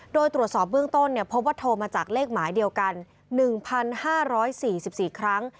โดยตรวจสอบเบื้องต้นพบว่าโทรมาจากเลขหมายเดียวกัน๑๕๔๔ครั้ง